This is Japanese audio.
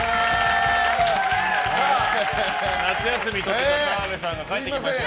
夏休みとってた澤部さんが帰ってきました。